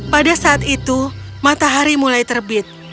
pada saat itu matahari mulai terbit